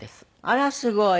あらすごい。